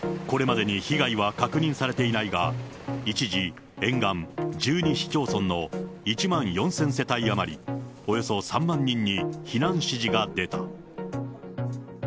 これまでに被害は確認されていないが、一時、沿岸１２市町村の１万４０００世帯余り、およそ３万人に避難指示が出た。